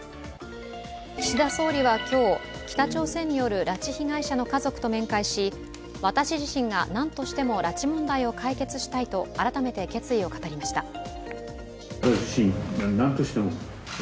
岸田総理は今日、北朝鮮による拉致被害者の家族と面会し私自身が何としても拉致問題を解決したいと改めて決意を語りました。